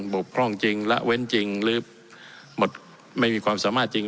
กพร่องจริงละเว้นจริงหรือหมดไม่มีความสามารถจริง